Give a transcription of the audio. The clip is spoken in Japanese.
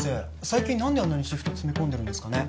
最近何であんなにシフト詰め込んでるんですかね？